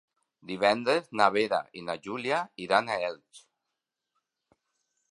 Divendres na Vera i na Júlia iran a Elx.